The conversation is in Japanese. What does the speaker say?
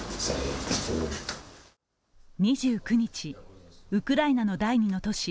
２９日、ウクライナの第２の都市